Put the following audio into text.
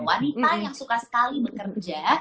wanita yang suka sekali bekerja